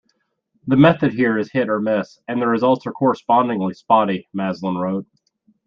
"The method here is hit-or-miss, and the results are correspondingly spotty," Maslin wrote.